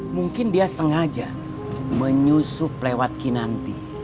mungkin dia sengaja menyusup lewat kinanti